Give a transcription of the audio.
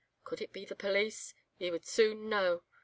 Could it be the police? He would soon know.